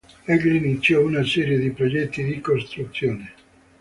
Egli iniziò una serie di progetti di costruzione.